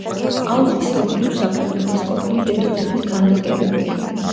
აუზის ირგვლივ საფრანგეთის ყოფილი დედოფლების ქანდაკებებია.